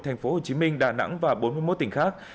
thành phố hồ chí minh đà nẵng và bốn mươi một tỉnh khác